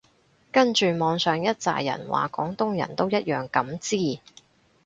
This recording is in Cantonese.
跟住網上一柞人話廣東人都一樣咁支